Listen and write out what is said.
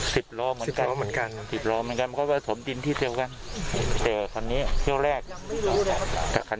สิบล้อเหมือนกัน